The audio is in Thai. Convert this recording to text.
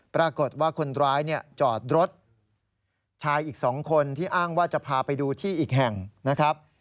ปรากฏว่าคนร้ายจอดรถชายอีก๒คนที่อ้างว่าจะพาไปดูที่อีกแห่งนะครับ